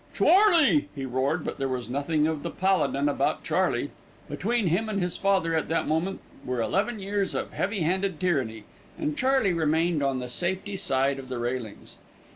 "Charley!" he roared; but there was nothing of the Paladin about Charley. Between him and his father at that moment were eleven years of heavy handed tyranny, and Charley remained on the safety side of the railings.